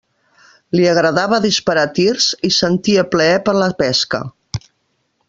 Li agradava disparar tirs i sentia plaer per la pesca.